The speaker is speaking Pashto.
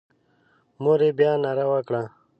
مور یې بیا ناره وکړه.